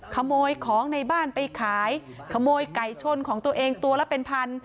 ขโมยของในบ้านไปขายขโมยไก่ชนของตัวเองตัวละเป็นพัน